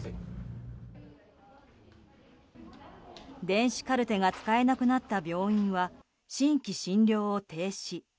電子カルテが使えなくなった病院は新規診療を停止。